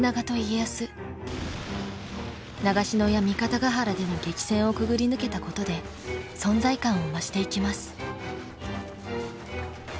長篠や三方ヶ原での激戦をくぐり抜けたことで存在感を増していきます。